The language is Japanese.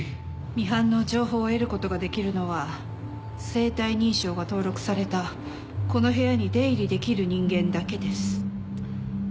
ミハンの情報を得ることができるのは生体認証が登録されたこの部屋に出入りできる人間だけです。